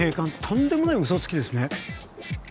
とんでもないうそつきですね。